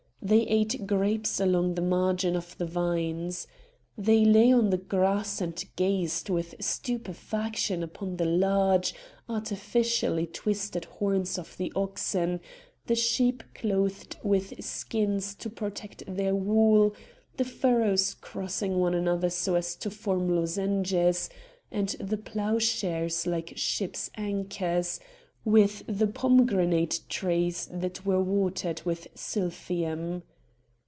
They ate grapes along the margin of the vines. They lay on the grass and gazed with stupefaction upon the large, artificially twisted horns of the oxen, the sheep clothed with skins to protect their wool, the furrows crossing one another so as to form lozenges, and the ploughshares like ships' anchors, with the pomegranate trees that were watered with silphium.